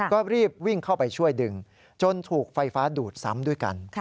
ก็รีบวิ่งเข้าไปช่วยดึงจนถูกไฟฟ้าดูดซ้ำด้วยกัน